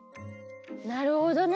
なるほどね。